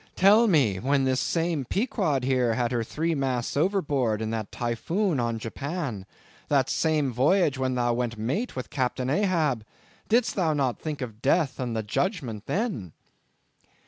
Tell me, when this same Pequod here had her three masts overboard in that typhoon on Japan, that same voyage when thou went mate with Captain Ahab, did'st thou not think of Death and the Judgment then?"